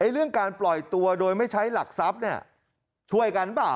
เรื่องการปล่อยตัวโดยไม่ใช้หลักทรัพย์